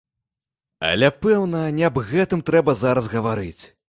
Але, пэўна, не аб гэтым трэба зараз гаварыць.